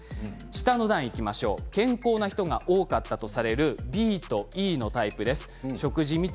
下の段健康な人が多かったとされるＢとＥのタイプです。